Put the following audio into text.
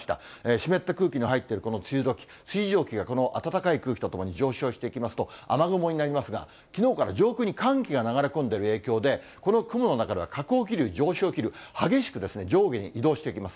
湿った空気の入っているこの梅雨どき、水蒸気がこの暖かい空気と共に上昇していきますと、雨雲になりますが、きのうから上空に寒気が流れ込んでいる影響で、この雲の中では下降気流、上昇気流、激しく上下に移動してきます。